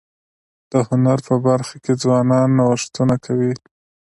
د هنر په برخه کي ځوانان نوښتونه کوي.